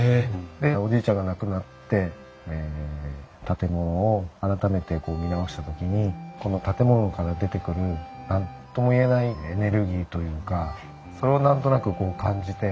でおじいちゃんが亡くなって建物を改めて見直した時にこの建物から出てくる何とも言えないエネルギーというかそれを何となく感じて。